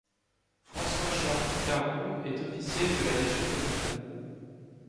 François-Charles Tharreau est officier de la Légion d'honneur.